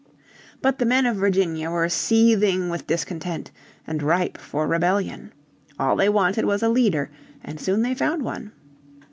But the men of Virginia were seething with discontent and ripe for rebellion. All they wanted was a leader, and soon they found one.